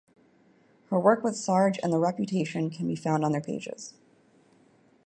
Her work with Sarge and the Reputation can be found on their pages.